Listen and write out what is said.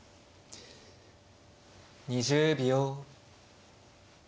２０秒。